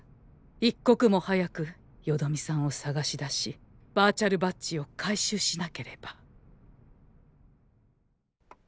一刻も早くよどみさんをさがしだしバーチャルバッジを回収しなければ。